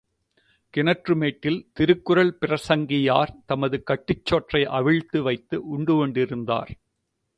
கிணற்று மேட்டில் திருக்குறள் பிரசங்கியார் தமது கட்டுச் சோற்றை அவிழ்த்து வைத்து உண்டு கொண்டிருந்தார்.